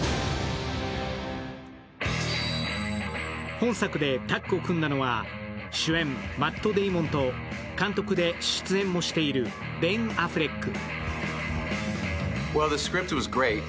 本作でタッグを組んだのは主演、マット・ディモンと監督で出演もしているベン・アフレック。